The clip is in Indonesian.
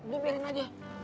lo biarin aja